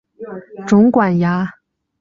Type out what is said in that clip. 肿管蚜为常蚜科肿管蚜属下的一个种。